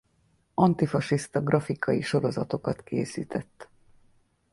Antifasiszta grafikai sorozatokat készített.